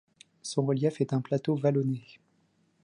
Son relief est un plateau vallonné.